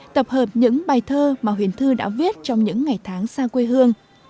tập hợp những bài thơ mà huyền thư đã viết trong những ngày tháng xa quê hương